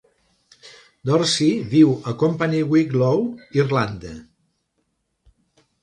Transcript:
Dorcey viu a Company Wicklow, Irlanda.